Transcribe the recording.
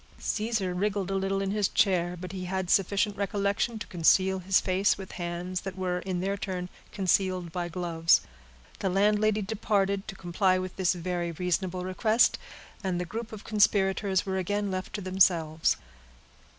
Caesar wriggled a little in his chair, but he had sufficient recollection to conceal his face with hands that were, in their turn, concealed by gloves. The landlady departed, to comply with this very reasonable request, and the group of conspirators were again left to themselves.